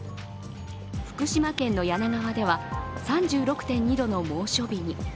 福島県の梁川では３６．２度の猛暑日に。